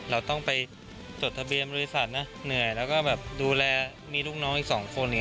เราต้องไปจดทะเบียนบริษัทนะเหนื่อยแล้วก็แบบดูแลมีลูกน้องอีกสองคนอย่างนี้